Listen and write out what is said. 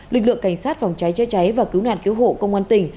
lực lượng cảnh sát phòng cháy chữa cháy và cứu nạn cứu hộ công an tỉnh